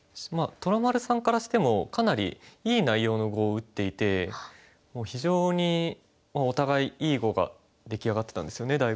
虎丸さんからしてもかなりいい内容の碁を打っていて非常にお互いいい碁が出来上がってたんですよね